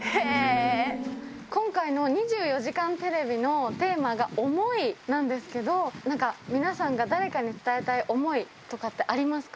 今回の２４時間テレビのテーマが、想いなんですけど、なんか、皆さんが誰かに伝えたい想いとかってありますか？